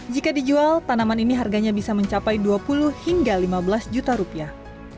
jika dijual tanaman ini harganya bisa mencapai dua puluh hingga lima belas juta rupiah